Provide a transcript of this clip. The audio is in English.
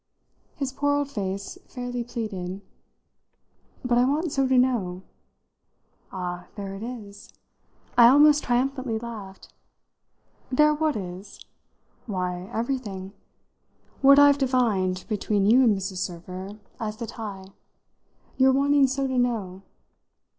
His poor old face fairly pleaded. "But I want so to know." "Ah, there it is!" I almost triumphantly laughed. "There what is?" "Why, everything. What I've divined, between you and Mrs. Server, as the tie. Your wanting so to know."